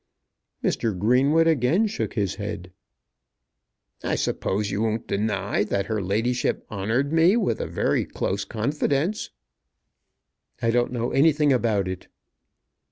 Mr. Greenwood again shook his head. "I suppose you won't deny that her ladyship honoured me with a very close confidence." "I don't know anything about it."